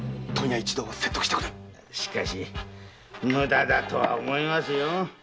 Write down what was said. しかし無駄だと思いますよ。